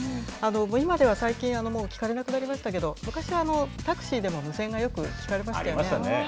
今では最近、聞かれなくなりましたけれども、昔はタクシーでも無ありましたね。